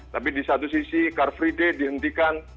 tapi di satu sisi car free day dihentikan